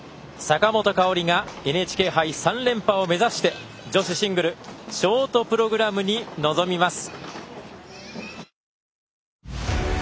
坂本花織がＮＨＫ杯３連覇を目指して女子シングルショートプログラムに臨みます。